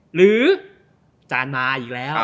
หรือจานมาอีกแล้ว